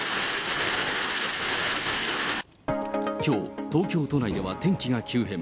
きょう、東京都内では天気が急変。